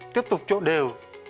tiếp tục trộn đều